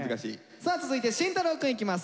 さあ続いて慎太郎くんいきます。